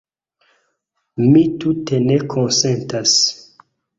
Mi tute ne konsentas.